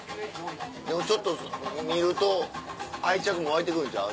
でもちょっと見ると愛着も湧いてくるんちゃう？